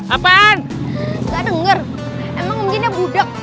enggak denger emang mungkin ya budak